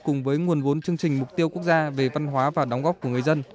cùng với nguồn vốn chương trình mục tiêu quốc gia về văn hóa và đóng góp của người dân